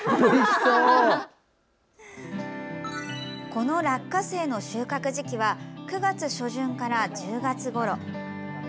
この落花生の収穫時期は９月初旬から１０月ごろ。